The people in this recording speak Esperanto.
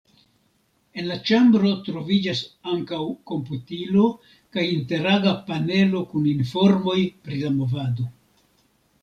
En la ĉambro troviĝas ankaŭ komputilo kaj inter-aga panelo kun informoj pri la movado.